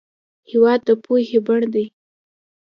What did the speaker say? هېواد د پوهې بڼ دی.